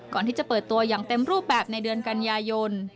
ก่อนที่จะเปิดตัวอย่างเต็มรูปแบบในเดือนกันยายน